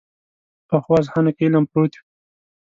پخو اذهانو کې علم پروت وي